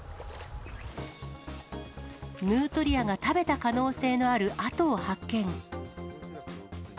ヌートリアが食べた可能性のある跡を発見。